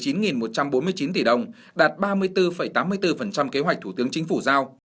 trong đó vốn trong nước là hơn chín một trăm bốn mươi chín tỷ đồng đặt ba mươi bốn tám mươi bốn kế hoạch thủ tướng chính phủ giao